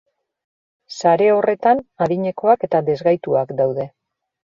Sare horretan, adinekoak eta desgaituak daude.